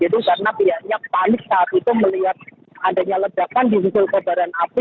jadi karena pihaknya panik saat itu melihat adanya lejakan di sisi kebaran api